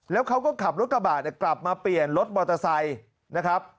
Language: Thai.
แล้วเขาก็ขับรถกระบะกลับมาเปลี่ยนรถมอเตอร์ไซค์นะครับ